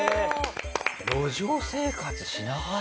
路上生活しながら？